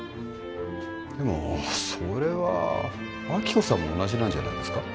でもそれは亜希子さんも同じなんじゃないですか？